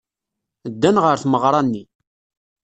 Ddan ɣer tmeɣra-nni.